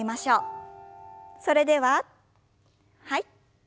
それでははい。